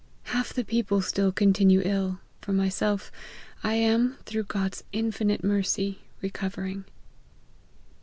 Half the people still continue ill ; for myself, I am, through God's infinite mercy, recovering."